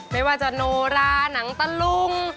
ไม่ว่าจะโนราหนังตะลุง